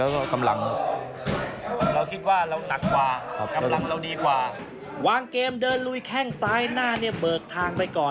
วางเกมเดินลุยแข้งซ้ายหน้าเนี่ยเบิกทางไปก่อน